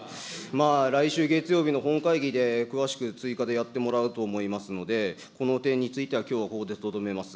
来週月曜日の本会議で詳しく追加でやってもらうと思いますので、この点についてはきょうここでとどめます。